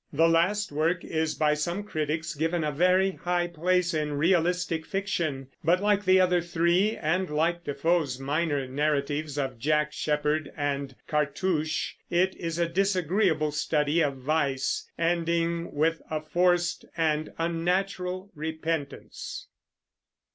The last work is by some critics given a very high place in realistic fiction, but like the other three, and like Defoe's minor narratives of Jack Sheppard and Cartouche, it is a disagreeable study of vice, ending with a forced and unnatural repentance.